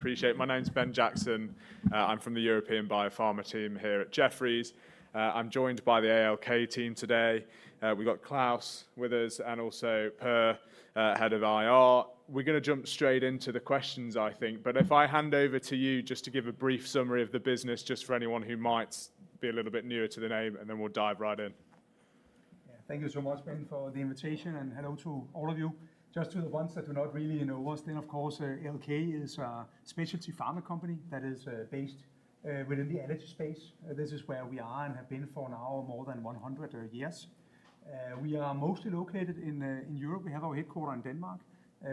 Appreciate it. My name's Ben Jackson. I'm from the European Biopharma team here at Jefferies. I'm joined by the ALK team today. We've got Claus with us and also Per, Head of IR. We're going to jump straight into the questions, I think, but if I hand over to you just to give a brief summary of the business, just for anyone who might be a little bit newer to the name, and then we'll dive right in. Yeah, thank you so much, Ben, for the invitation, and hello to all of you. Just to the ones that do not really know us, then, of course, ALK is a specialty pharma company that is based within the allergy space. This is where we are and have been for now more than 100 years. We are mostly located in Europe. We have our headquarters in Denmark.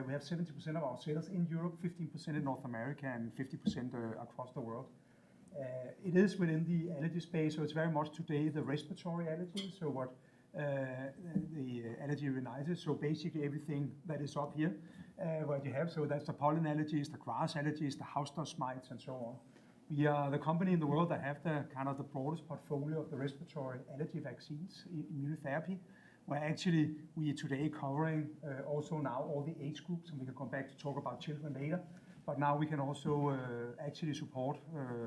We have 70% of our sales in Europe, 15% in North America, and 15% across the world. It is within the allergy space, so it's very much today the respiratory allergy, so what the allergy reunites, so basically everything that is up here that you have. That's the pollen allergies, the grass allergies, the house dust mites, and so on. We are the company in the world that have the kind of the broadest portfolio of the respiratory allergy vaccines in immunotherapy, where actually we are today covering also now all the age groups, and we can come back to talk about children later. Now we can also actually support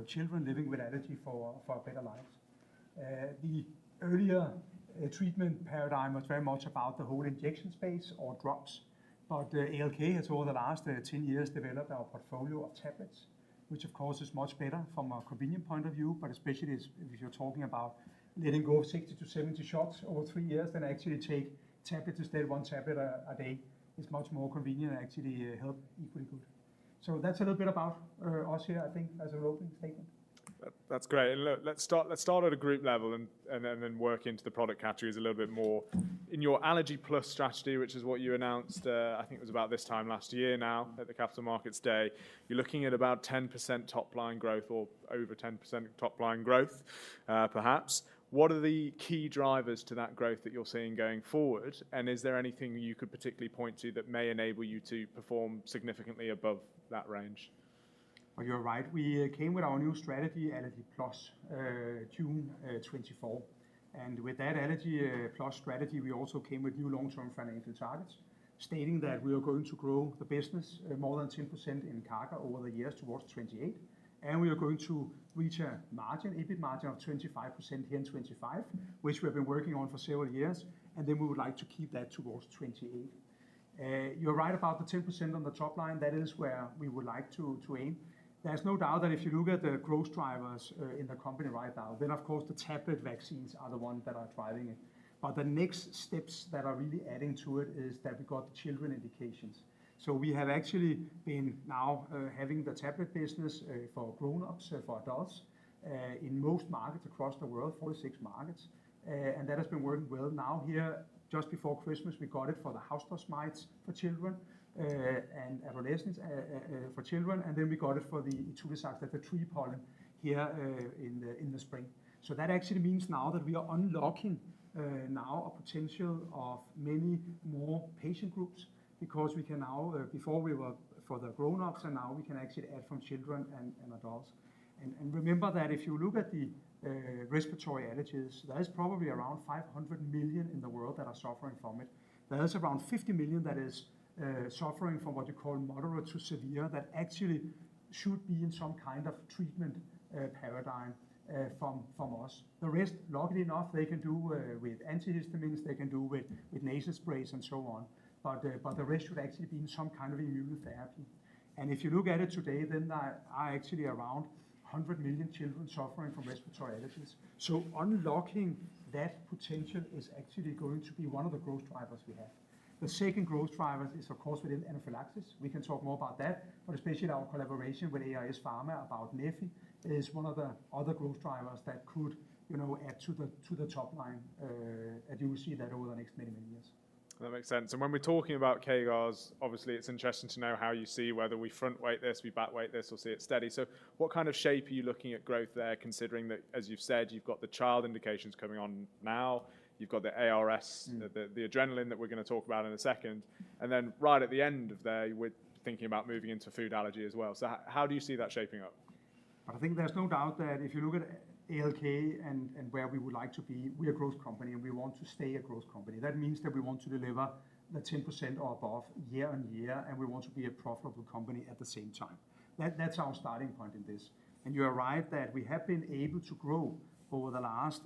children living with allergy for better lives. The earlier treatment paradigm was very much about the whole injection space or drugs, but ALK has over the last 10 years developed our portfolio of tablets, which of course is much better from a convenience point of view, but especially if you're talking about letting go of 60 shots-70 shots over three years, then actually take tablets instead, one tablet a day is much more convenient and actually helps equally good. That's a little bit about us here, I think, as an opening statement. That's great. Let's start at a group level and then work into the product categories a little bit more. In your Allergy Plus strategy, which is what you announced, I think it was about this time last year now at the Capital Markets Day, you're looking at about 10% top line growth or over 10% top line growth, perhaps. What are the key drivers to that growth that you're seeing going forward? Is there anything you could particularly point to that may enable you to perform significantly above that range? You're right. We came with our new strategy, Allergy Plus June 24. With that Allergy Plus strategy, we also came with new long-term financial targets, stating that we are going to grow the business more than 10% in CAGR over the years towards 2028, and we are going to reach a margin, EBIT margin of 25% here in 2025, which we have been working on for several years, and we would like to keep that towards 2028. You're right about the 10% on the top line, that is where we would like to aim. There's no doubt that if you look at the growth drivers in the company right now, then of course the tablet vaccines are the ones that are driving it. The next steps that are really adding to it is that we got the children indications. We have actually been now having the tablet business for grownups, for adults in most markets across the world, 46 markets, and that has been working well. Now here, just before Christmas, we got it for the house dust mite tablet for children and adolescents for children, and then we got it for the Etruscus, the tree pollen tablet here in the spring. That actually means now that we are unlocking now a potential of many more patient groups because we can now, before we were for the grownups, and now we can actually add from children and adults. Remember that if you look at the respiratory allergies, there is probably around 500 million in the world that are suffering from it. There is around 50 million that is suffering from what you call moderate to severe that actually should be in some kind of treatment paradigm from us. The rest, luckily enough, they can do with antihistamines, they can do with nasal sprays and so on, but the rest should actually be in some kind of immunotherapy. If you look at it today, then there are actually around 100 million children suffering from respiratory allergies. Unlocking that potential is actually going to be one of the growth drivers we have. The second growth driver is, of course, within anaphylaxis. We can talk more about that, but especially our collaboration with AIS Pharma about Nefy is one of the other growth drivers that could add to the top line, and you will see that over the next many, many years. That makes sense. When we're talking about CAGR, obviously it's interesting to know how you see whether we front weight this, we back weight this, or see it steady. What kind of shape are you looking at growth there, considering that, as you've said, you've got the child indications coming on now, you've got the ARS, the adrenaline that we're going to talk about in a second, and then right at the end of there, we're thinking about moving into food allergy as well. How do you see that shaping up? I think there's no doubt that if you look at ALK and where we would like to be, we are a growth company and we want to stay a growth company. That means that we want to deliver the 10% or above year-on-year, and we want to be a profitable company at the same time. That's our starting point in this. You're right that we have been able to grow over the last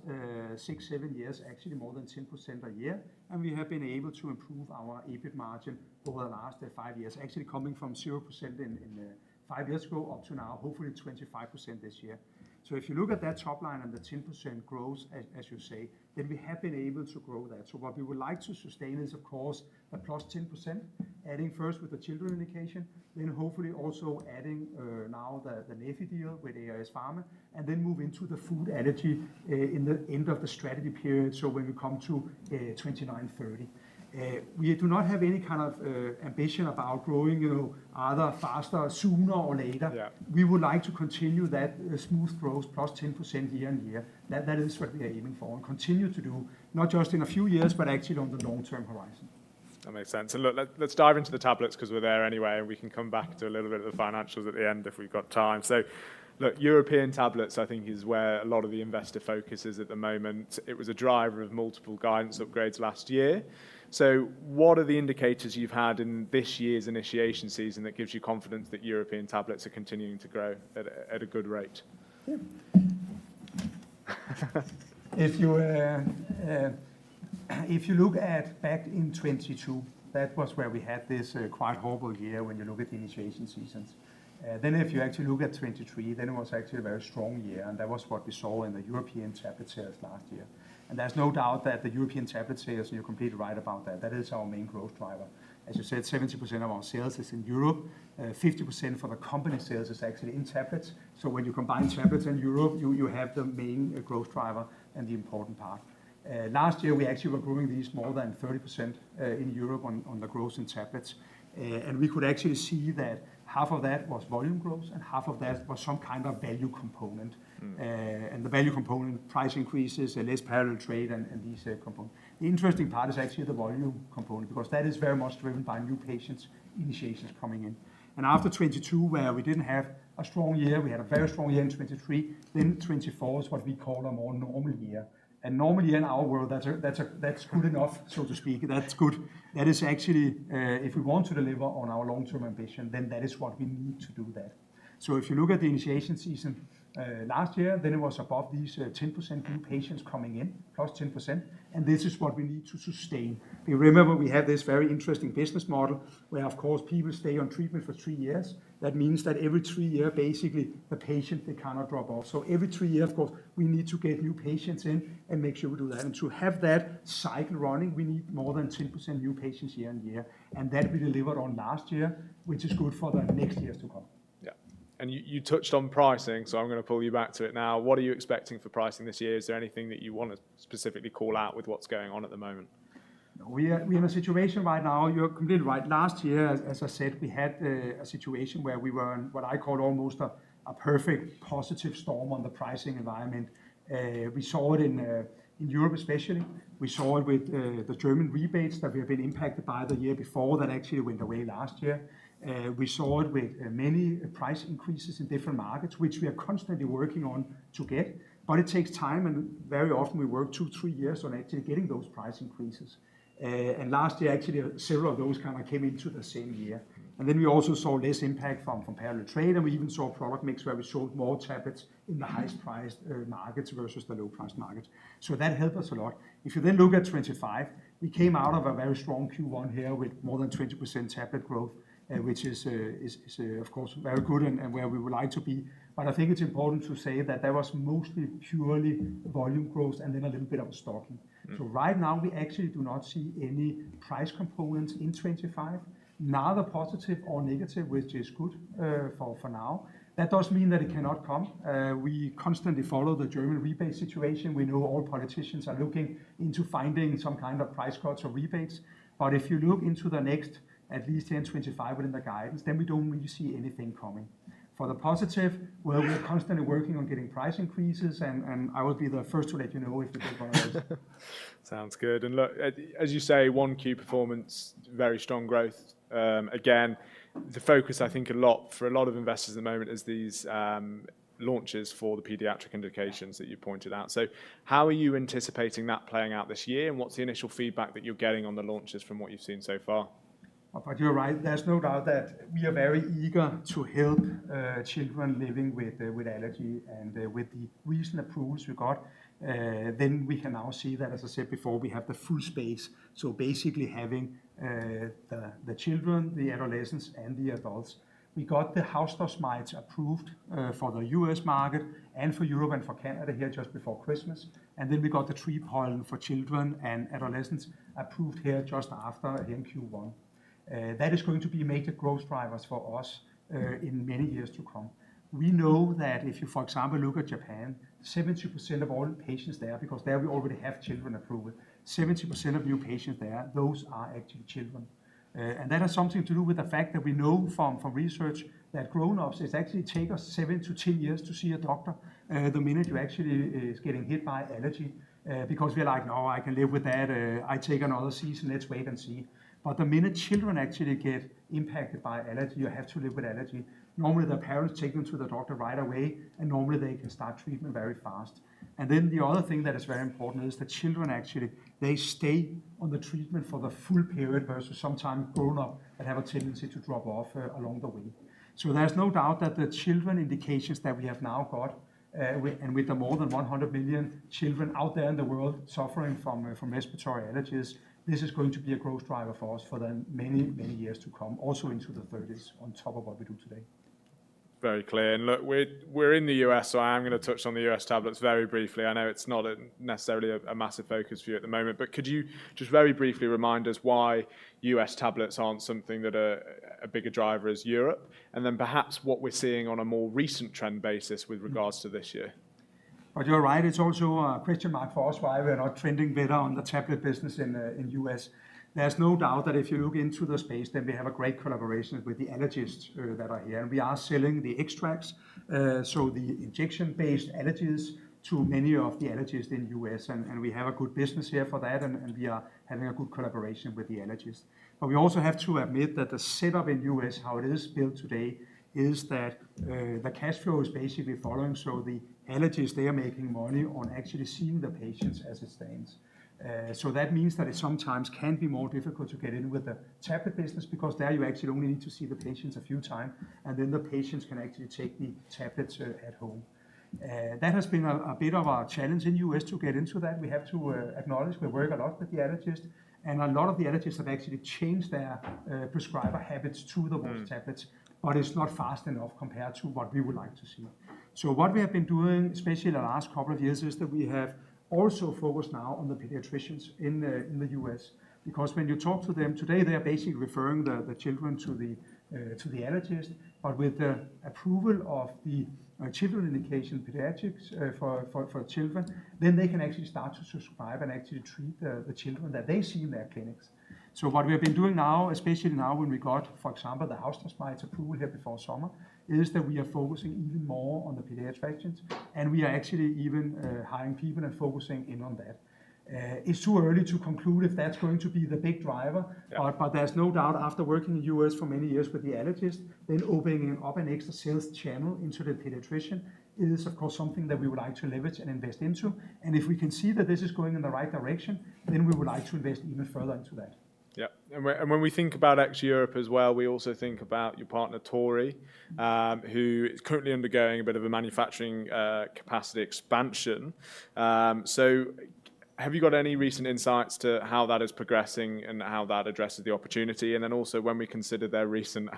six, seven years, actually more than 10% a year, and we have been able to improve our EBIT margin over the last five years, actually coming from 0% five years ago up to now, hopefully 25% this year. If you look at that top line and the 10% growth, as you say, then we have been able to grow that. What we would like to sustain is, of course, the plus 10%, adding first with the children indication, then hopefully also adding now the Nefy deal with AIS Pharma, and then move into the food allergy in the end of the strategy period, so when we come to 2029, 2030. We do not have any kind of ambition about growing either faster, sooner, or later. We would like to continue that smooth growth,10%+ year-on-year. That is what we are aiming for and continue to do, not just in a few years, but actually on the long-term horizon. That makes sense. Look, let's dive into the tablets because we're there anyway, and we can come back to a little bit of the financials at the end if we've got time. Look, European tablets, I think, is where a lot of the investor focus is at the moment. It was a driver of multiple guidance upgrades last year. What are the indicators you've had in this year's initiation season that gives you confidence that European tablets are continuing to grow at a good rate? If you look back in 2022, that was where we had this quite horrible year when you look at the initiation seasons. If you actually look at 2023, it was actually a very strong year, and that was what we saw in the European tablet sales last year. There is no doubt that the European tablet sales, and you're completely right about that, that is our main growth driver. As you said, 70% of our sales is in Europe, 50% of the company sales is actually in tablets. When you combine tablets and Europe, you have the main growth driver and the important part. Last year, we actually were growing these more than 30% in Europe on the growth in tablets, and we could actually see that half of that was volume growth and half of that was some kind of value component. The value component, price increases, less parallel trade, and these components. The interesting part is actually the volume component because that is very much driven by new patients' initiations coming in. After 2022, where we did not have a strong year, we had a very strong year in 2023. 2024 is what we call a more normal year. A normal year in our world, that is good enough, so to speak. That is good. That is actually, if we want to deliver on our long-term ambition, then that is what we need to do. If you look at the initiation season last year, then it was above these 10% new patients coming in, 10%+, and this is what we need to sustain. We remember we have this very interesting business model where, of course, people stay on treatment for three years. That means that every three years, basically the patient, they cannot drop off. Every three years, of course, we need to get new patients in and make sure we do that. To have that cycle running, we need more than 10% new patients year on year, and that we delivered on last year, which is good for the next years to come. Yeah. You touched on pricing, so I'm going to pull you back to it now. What are you expecting for pricing this year? Is there anything that you want to specifically call out with what's going on at the moment? We're in a situation right now, you're completely right. Last year, as I said, we had a situation where we were in what I call almost a perfect positive storm on the pricing environment. We saw it in Europe, especially. We saw it with the German rebates that we have been impacted by the year before that actually went away last year. We saw it with many price increases in different markets, which we are constantly working on to get, but it takes time, and very often we work two, three years on actually getting those price increases. Last year, actually, several of those kind of came into the same year. We also saw less impact from parallel trade, and we even saw product mix where we sold more tablets in the highest priced markets versus the low priced markets. That helped us a lot. If you then look at 2025, we came out of a very strong Q1 here with more than 20% tablet growth, which is, of course, very good and where we would like to be. I think it's important to say that that was mostly purely volume growth and then a little bit of stocking. Right now, we actually do not see any price components in 2025. Neither positive or negative, which is good for now. That does not mean that it cannot come. We constantly follow the German rebate situation. We know all politicians are looking into finding some kind of price cuts or rebates. If you look into the next at least in 2025 within the guidance, then we do not really see anything coming. For the positive, we are constantly working on getting price increases, and I will be the first to let you know if we get one of those. Sounds good. Look, as you say, one key performance, very strong growth. Again, the focus, I think, a lot for a lot of investors at the moment is these launches for the pediatric indications that you pointed out. How are you anticipating that playing out this year, and what's the initial feedback that you're getting on the launches from what you've seen so far? If I do right, there's no doubt that we are very eager to help children living with allergy and with the recent approvals we got. We can now see that, as I said before, we have the full space. Basically having the children, the adolescents, and the adults. We got the house dust mite tablet approved for the U.S. market and for Europe and for Canada here just before Christmas. We got the tree pollen tablet for children and adolescents approved here just after here in Q1. That is going to be major growth drivers for us in many years to come. We know that if you, for example, look at Japan, 70% of all patients there, because there we already have children approved, 70% of new patients there, those are actually children. That has something to do with the fact that we know from research that grownups, it actually takes us seven to 10 years to see a doctor the minute you actually are getting hit by allergy because we're like, no, I can live with that. I take another season, let's wait and see. The minute children actually get impacted by allergy, you have to live with allergy. Normally, the parents take them to the doctor right away, and normally they can start treatment very fast. The other thing that is very important is the children actually, they stay on the treatment for the full period versus sometimes grownups that have a tendency to drop off along the way. There's no doubt that the children indications that we have now got, and with the more than 100 million children out there in the world suffering from respiratory allergies, this is going to be a growth driver for us for the many, many years to come, also into the 2030s on top of what we do today. Very clear. Look, we're in the U.S., so I'm going to touch on the U.S. tablets very briefly. I know it's not necessarily a massive focus for you at the moment, but could you just very briefly remind us why U.S. tablets aren't something that a bigger driver is Europe? And then perhaps what we're seeing on a more recent trend basis with regards to this year. If I do right, it's also a question mark for us why we're not trending better on the tablet business in the U.S. There's no doubt that if you look into the space, then we have a great collaboration with the allergists that are here, and we are selling the extracts, so the injection-based allergies to many of the allergists in the U.S., and we have a good business here for that, and we are having a good collaboration with the allergists. We also have to admit that the setup in the U.S., how it is built today, is that the cash flow is basically following, so the allergists, they are making money on actually seeing the patients as it stands. That means that it sometimes can be more difficult to get in with the tablet business because there you actually only need to see the patients a few times, and then the patients can actually take the tablets at home. That has been a bit of a challenge in the U.S. to get into that. We have to acknowledge we work a lot with the allergists, and a lot of the allergists have actually changed their prescriber habits to the tablets, but it's not fast enough compared to what we would like to see. What we have been doing, especially in the last couple of years, is that we have also focused now on the pediatricians in the U.S. because when you talk to them today, they are basically referring the children to the allergist, but with the approval of the children indication, pediatrics for children, then they can actually start to subscribe and actually treat the children that they see in their clinics. What we have been doing now, especially now when we got, for example, the house dust mite approval here before summer, is that we are focusing even more on the pediatricians, and we are actually even hiring people and focusing in on that. It's too early to conclude if that's going to be the big driver, but there's no doubt after working in the U.S. for many years with the allergists, then opening up an extra sales channel into the pediatrician is, of course, something that we would like to leverage and invest into. If we can see that this is going in the right direction, then we would like to invest even further into that. Yeah. When we think about actually Europe as well, we also think about your partner, Torii, who is currently undergoing a bit of a manufacturing capacity expansion. Have you got any recent insights to how that is progressing and how that addresses the opportunity? Also, when we consider their recent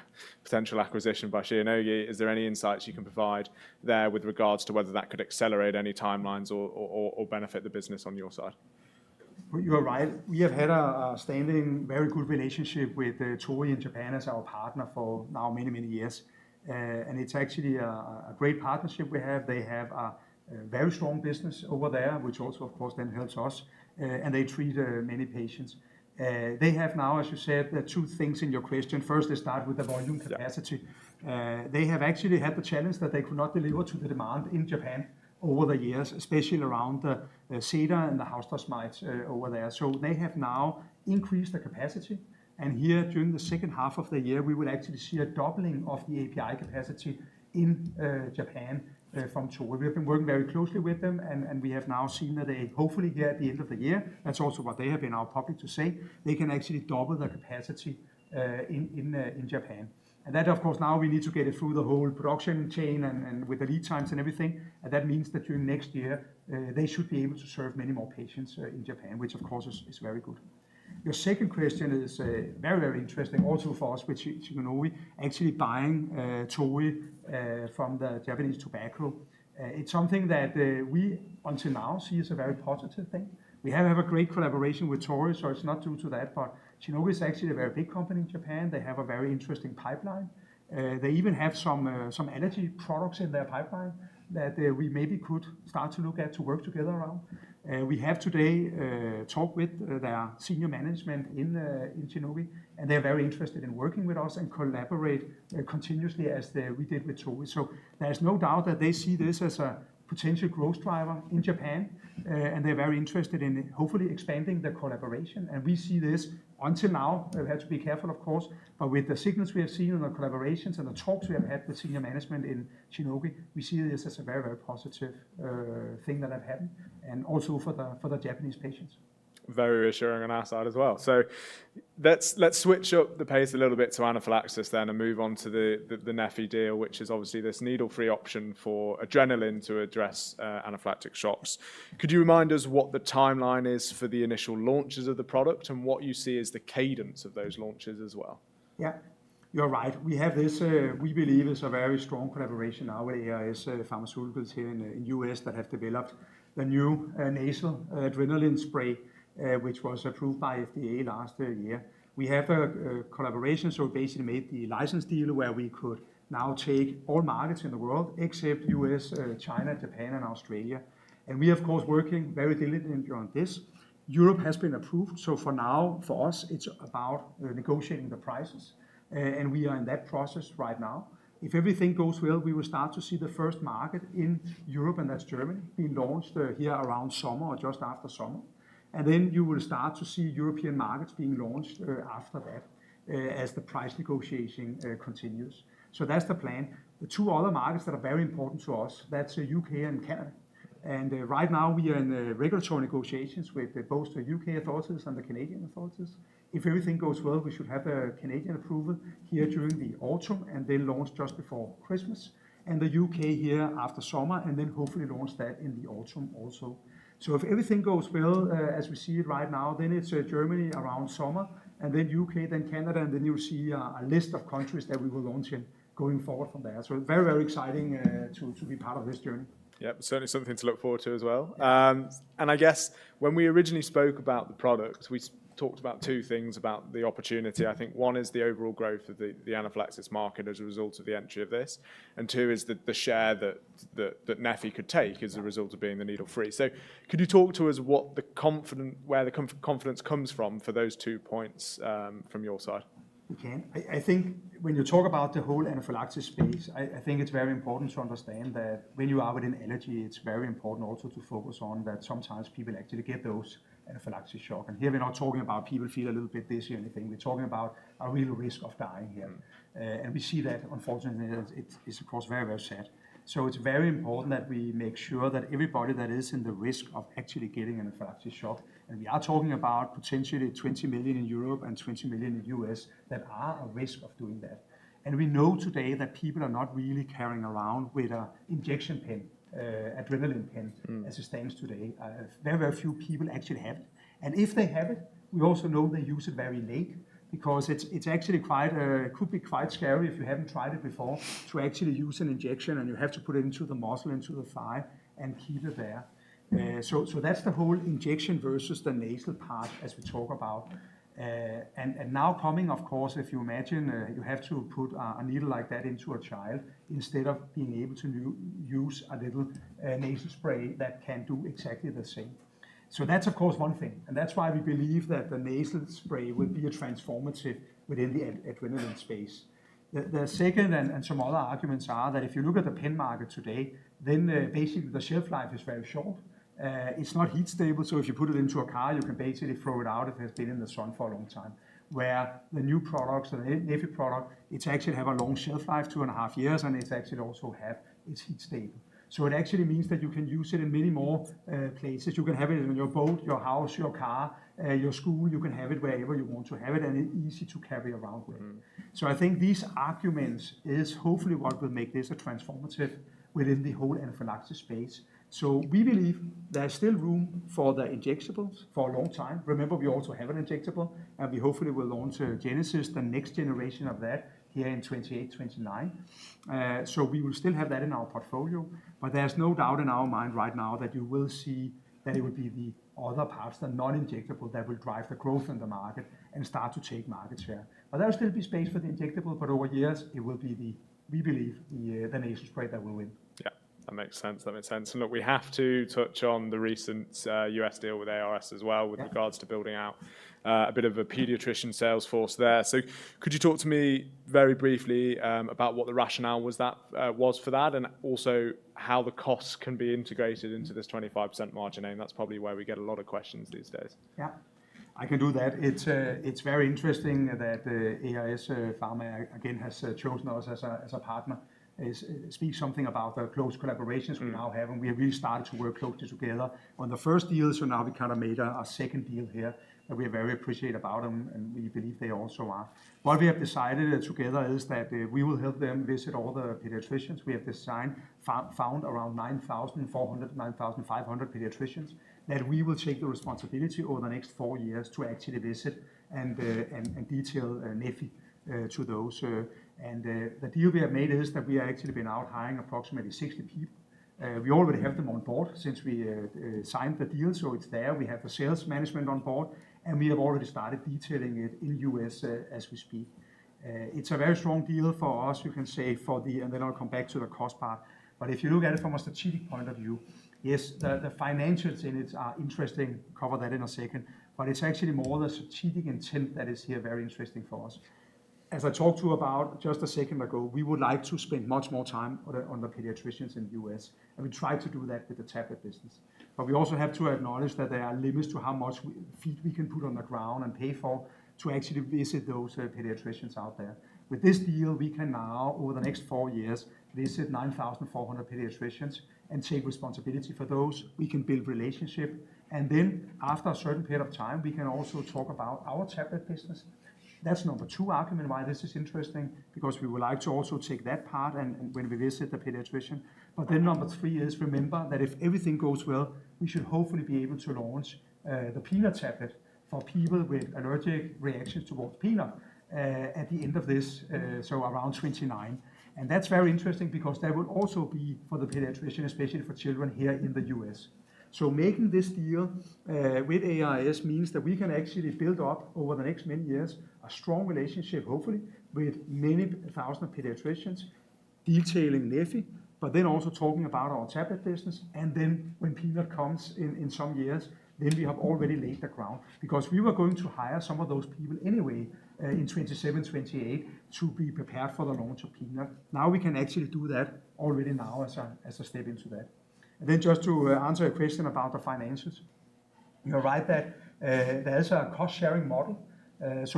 potential acquisition by Shionogi, is there any insights you can provide there with regards to whether that could accelerate any timelines or benefit the business on your side? You're right. We have had a standing, very good relationship with Torii in Japan as our partner for now many, many years, and it's actually a great partnership we have. They have a very strong business over there, which also, of course, then helps us, and they treat many patients. They have now, as you said, two things in your question. First, they start with the volume capacity. They have actually had the challenge that they could not deliver to the demand in Japan over the years, especially around the cedar and the house dust mites over there. They have now increased the capacity, and here during the second half of the year, we would actually see a doubling of the API capacity in Japan from Torii. We have been working very closely with them, and we have now seen that hopefully here at the end of the year, that is also what they have now public to say, they can actually double the capacity in Japan. That, of course, now we need to get it through the whole production chain and with the lead times and everything, and that means that during next year, they should be able to serve many more patients in Japan, which of course is very good. Your second question is very, very interesting also for us, which is Shionogi actually buying Torii from the Japanese tobacco. It is something that we until now see as a very positive thing. We have a great collaboration with Torii, so it is not due to that, but Shionogi is actually a very big company in Japan. They have a very interesting pipeline. They even have some energy products in their pipeline that we maybe could start to look at to work together around. We have today talked with their senior management in Shionogi, and they are very interested in working with us and collaborate continuously as we did with Torii. There is no doubt that they see this as a potential growth driver in Japan, and they are very interested in hopefully expanding the collaboration. We see this until now. We have to be careful, of course, but with the signals we have seen in the collaborations and the talks we have had with senior management in Shionogi, we see this as a very, very positive thing that have happened and also for the Japanese patients. Very reassuring on our side as well. Let's switch up the pace a little bit to anaphylaxis then and move on to the Nefy deal, which is obviously this needle-free option for adrenaline to address anaphylactic shocks. Could you remind us what the timeline is for the initial launches of the product and what you see as the cadence of those launches as well? Yeah, you're right. We have this, we believe it's a very strong collaboration. Our AIS Pharma here in the U.S. that have developed the new nasal adrenaline spray, which was approved by FDA last year. We have a collaboration, so we basically made the license deal where we could now take all markets in the world except U.S., China, Japan, and Australia. We are, of course, working very diligently on this. Europe has been approved, so for now, for us, it's about negotiating the prices, and we are in that process right now. If everything goes well, we will start to see the first market in Europe, and that's Germany, being launched here around summer or just after summer. You will start to see European markets being launched after that as the price negotiation continues. That's the plan. The two other markets that are very important to us, that's the U.K. and Canada. Right now, we are in regulatory negotiations with both the U.K. authorities and the Canadian authorities. If everything goes well, we should have the Canadian approval here during the autumn and then launch just before Christmas, and the U.K. here after summer, and then hopefully launch that in the autumn also. If everything goes well, as we see it right now, then it's Germany around summer, then U.K., then Canada, and then you'll see a list of countries that we will launch in going forward from there. Very, very exciting to be part of this journey. Yeah, certainly something to look forward to as well. I guess when we originally spoke about the product, we talked about two things about the opportunity. I think one is the overall growth of the anaphylaxis market as a result of the entry of this, and two is the share that Nefy could take as a result of being the needle-free. Could you talk to us where the confidence comes from for those two points from your side? Okay. I think when you talk about the whole anaphylaxis space, I think it's very important to understand that when you are with an allergy, it's very important also to focus on that sometimes people actually get those anaphylaxis shocks. Here we're not talking about people feel a little bit dizzy or anything. We're talking about a real risk of dying here. We see that, unfortunately, it is, of course, very, very sad. It's very important that we make sure that everybody that is in the risk of actually getting an anaphylaxis shock, and we are talking about potentially 20 million in Europe and 20 million in the U.S. that are at risk of doing that. We know today that people are not really carrying around with an injection pen, adrenaline pen as it stands today. Very, very few people actually have it. If they have it, we also know they use it very late because it is actually quite, it could be quite scary if you have not tried it before to actually use an injection, and you have to put it into the muscle, into the thigh, and keep it there. That is the whole injection versus the nasal part as we talk about. Now, of course, if you imagine you have to put a needle like that into a child instead of being able to use a little nasal spray that can do exactly the same. That is, of course, one thing, and that is why we believe that the nasal spray will be transformative within the adrenaline space. The second, and some other arguments are that if you look at the pen market today, then basically the shelf life is very short. It's not heat stable, so if you put it into a car, you can basically throw it out. It has been in the sun for a long time, where the new products, the Nefy product, it actually has a long shelf life, two and a half years, and it actually also is heat stable. It actually means that you can use it in many more places. You can have it in your boat, your house, your car, your school. You can have it wherever you want to have it, and it's easy to carry around with. I think these arguments are hopefully what will make this a transformative within the whole anaphylaxis space. We believe there's still room for the injectables for a long time. Remember, we also have an injectable, and we hopefully will launch Genesis, the next generation of that here in 2028, 2029. We will still have that in our portfolio, but there's no doubt in our mind right now that you will see that it will be the other parts, the non-injectable, that will drive the growth in the market and start to take market share. There will still be space for the injectable, but over years, it will be, we believe, the nasal spray that will win. Yeah, that makes sense. That makes sense. Look, we have to touch on the recent U.S. deal with ARS as well with regards to building out a bit of a pediatrician sales force there. Could you talk to me very briefly about what the rationale was for that and also how the costs can be integrated into this 25% margin? That's probably where we get a lot of questions these days. Yeah, I can do that. It's very interesting that ARS Pharma, again, has chosen us as a partner. It speaks something about the close collaborations we now have, and we have really started to work closely together on the first deal. Now we kind of made our second deal here that we are very appreciative about them, and we believe they also are. What we have decided together is that we will help them visit all the pediatricians. We have identified around 9,400-9,500 pediatricians that we will take the responsibility over the next four years to actually visit and detail Nefy to those. The deal we have made is that we have actually been out hiring approximately 60 people. We already have them on board since we signed the deal, so it's there. We have the sales management on board, and we have already started detailing it in the U.S. as we speak. It's a very strong deal for us, you can say, for the, and then I'll come back to the cost part. If you look at it from a strategic point of view, yes, the financials in it are interesting. We'll cover that in a second, but it's actually more the strategic intent that is here very interesting for us. As I talked to you about just a second ago, we would like to spend much more time on the pediatricians in the U.S., and we try to do that with the tablet business. We also have to acknowledge that there are limits to how much feet we can put on the ground and pay for to actually visit those pediatricians out there. With this deal, we can now, over the next four years, visit 9,400 pediatricians and take responsibility for those. We can build relationship, and then after a certain period of time, we can also talk about our tablet business. That is number two argument why this is interesting because we would like to also take that part when we visit the pediatrician. Number three is remember that if everything goes well, we should hopefully be able to launch the peanut tablet for people with allergic reactions towards peanut at the end of this, so around 2029. That is very interesting because that will also be for the pediatrician, especially for children here in the U.S. Making this deal with ARS means that we can actually build up over the next many years a strong relationship, hopefully with many thousands of pediatricians detailing Nefy, but then also talking about our tablet business. When peanut comes in some years, we have already laid the ground because we were going to hire some of those people anyway in 2027-2028 to be prepared for the launch of peanut. Now we can actually do that already now as a step into that. Just to answer your question about the finances, you are right that there is a cost-sharing model.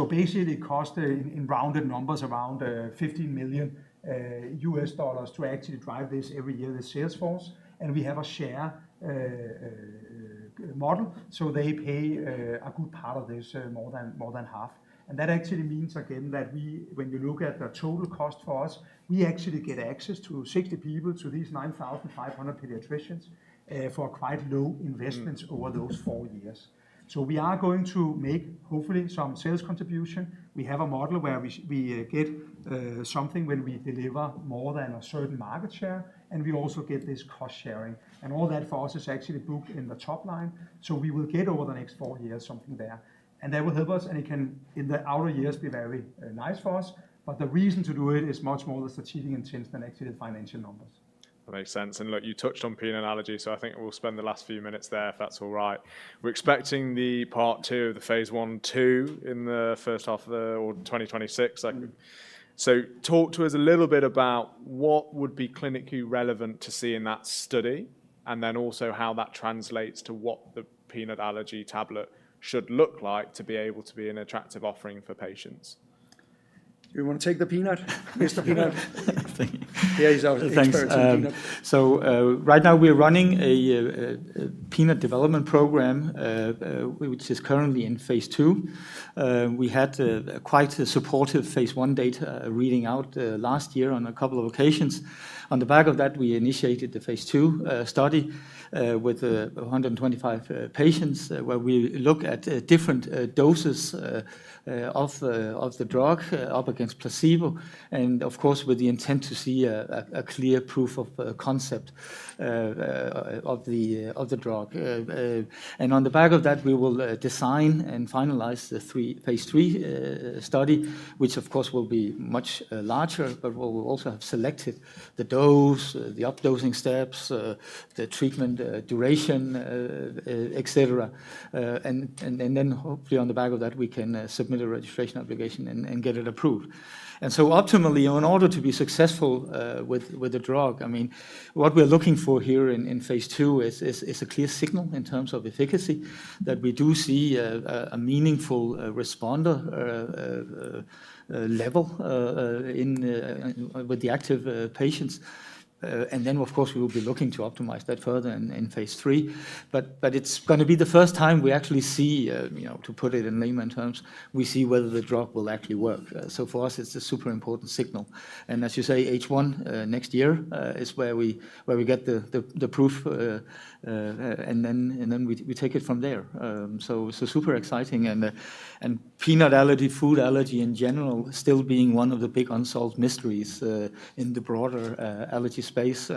Basically, it costs in rounded numbers around $15 million to actually drive this every year, this sales force, and we have a share model. They pay a good part of this, more than half. That actually means, again, that when you look at the total cost for us, we actually get access to 60 people, to these 9,500 pediatricians for quite low investments over those four years. We are going to make hopefully some sales contribution. We have a model where we get something when we deliver more than a certain market share, and we also get this cost sharing. All that for us is actually booked in the top line. We will get over the next four years something there, and that will help us, and it can in the outer years be very nice for us. The reason to do it is much more the strategic intent than actually the financial numbers. That makes sense. Look, you touched on peanut allergy, so I think we'll spend the last few minutes there if that's all right. We're expecting the part two of the phase I/II in the first half of 2026. Talk to us a little bit about what would be clinically relevant to see in that study and then also how that translates to what the peanut allergy tablet should look like to be able to be an attractive offering for patients. Do we want to take the peanut? Mr. Peanut. Yeah, he's our expert on peanut. So right now, we're running a peanut development program, which is currently in phase II. We had quite a supportive phase I data reading out last year on a couple of occasions. On the back of that, we initiated the phase II study with 125 patients where we look at different doses of the drug up against placebo, and of course, with the intent to see a clear proof of concept of the drug. On the back of that, we will design and finalize the phase III study, which of course will be much larger, but we'll also have selected the dose, the updosing steps, the treatment duration, et cetera. Hopefully on the back of that, we can submit a registration application and get it approved. Optimally, in order to be successful with the drug, I mean, what we're looking for here in phase II is a clear signal in terms of efficacy that we do see a meaningful responder level with the active patients. Then, of course, we will be looking to optimize that further in phase III. It is going to be the first time we actually see, to put it in layman terms, we see whether the drug will actually work. For us, it is a super important signal. As you say, H1 next year is where we get the proof, and then we take it from there. Super exciting. Peanut allergy, food allergy in general, still being one of the big unsolved mysteries in the broader allergy space.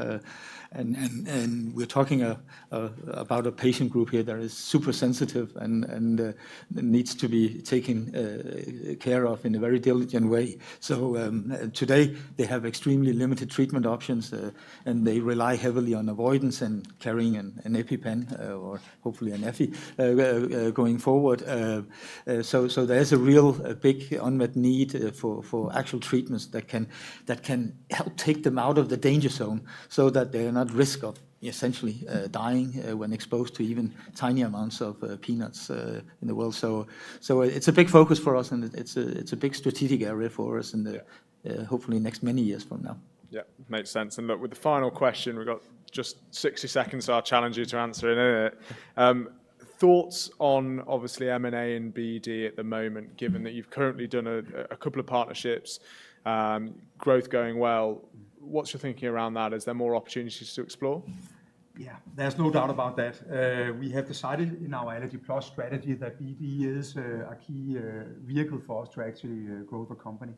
We are talking about a patient group here that is super sensitive and needs to be taken care of in a very diligent way. Today, they have extremely limited treatment options, and they rely heavily on avoidance and carrying an EpiPen or hopefully a Nefy going forward. There is a real big unmet need for actual treatments that can help take them out of the danger zone so that they are not at risk of essentially dying when exposed to even tiny amounts of peanuts in the world. It is a big focus for us, and it is a big strategic area for us in the hopefully next many years from now. Yeah, makes sense. Look, with the final question, we've got just 60 seconds to our challenger to answer it. Thoughts on obviously M&A and BD at the moment, given that you've currently done a couple of partnerships, growth going well, what's your thinking around that? Is there more opportunities to explore? Yeah, there's no doubt about that. We have decided in our allergy plus strategy that BD is a key vehicle for us to actually grow the company.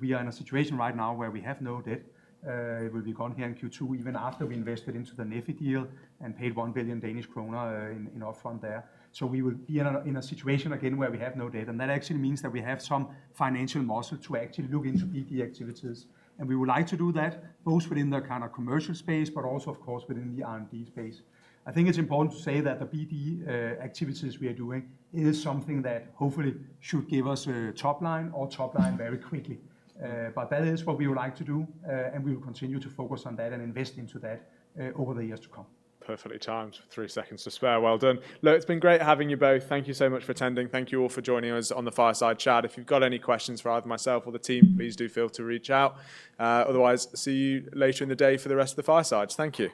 We are in a situation right now where we have no debt. It will be gone here in Q2, even after we invested into the Nefy deal and paid 1 billion Danish kroner in upfront there. We will be in a situation again where we have no debt, and that actually means that we have some financial muscle to actually look into BD activities. We would like to do that both within the kind of commercial space, but also, of course, within the R&D space. I think it's important to say that the BD activities we are doing is something that hopefully should give us a top line or top line very quickly. That is what we would like to do, and we will continue to focus on that and invest into that over the years to come. Perfectly timed. Three seconds to spare. Well done. Look, it has been great having you both. Thank you so much for attending. Thank you all for joining us on the fireside chat. If you have got any questions for either myself or the team, please do feel to reach out. Otherwise, see you later in the day for the rest of the fireside. Thank you.